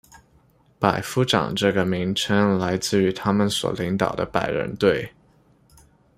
百夫长这个名称来自于他们所领导百人队。